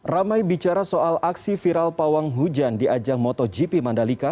ramai bicara soal aksi viral pawang hujan di ajang motogp mandalika